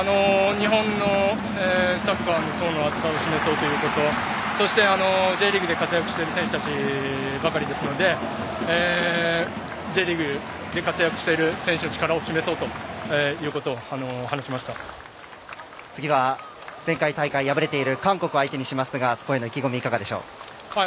日本のサッカーの層の厚さを示そうというところそしてＪリーグで活躍している選手たちばかりですのでＪリーグで活躍している選手の力を示そうということを次は前回大会、敗れている韓国を相手にしますがそこへの意気込み